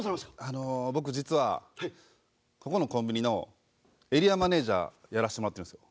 あの僕実はここのコンビニのエリアマネージャーやらしてもらってるんです。